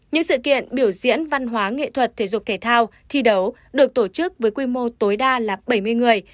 những sự kiện biểu diễn văn hóa nghệ thuật thể dục thể thao thi đấu được tổ chức với quy mô tối đa là bảy mươi người